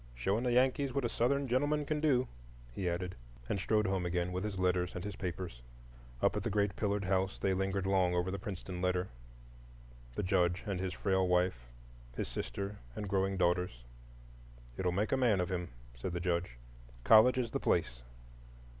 "Showing the Yankees what a Southern gentleman can do," he added; and strode home again with his letters and papers. Up at the great pillared house they lingered long over the Princeton letter,—the Judge and his frail wife, his sister and growing daughters. "It'll make a man of him," said the Judge, "college is the place."